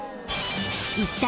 一体